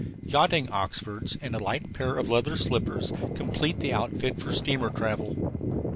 Yachting oxfords and a light pair of leather slippers complete the outfit for steamer travel.